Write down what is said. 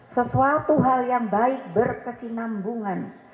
sesuatu hal yang baik berkesinambungan